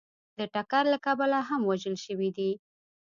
د ټکر له کبله هم وژل شوي دي